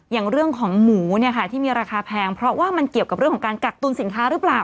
อย่างเรื่องของหมูเนี่ยค่ะที่มีราคาแพงเพราะว่ามันเกี่ยวกับเรื่องของการกักตุลสินค้าหรือเปล่า